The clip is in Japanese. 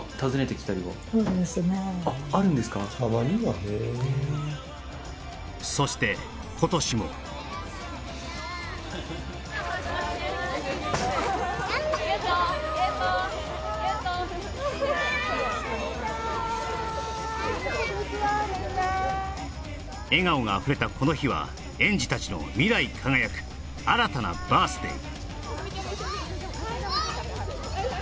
たまにはねそして今年も笑顔があふれたこの日は園児たちの未来輝く新たなバース・デイ